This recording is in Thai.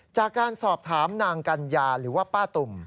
จากการสอบถามนางกัญญาหรือว่าป้าตุ่ม